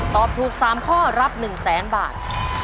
ตอบถูก๓ข้อรับ๑๐๐๐๐๐บาท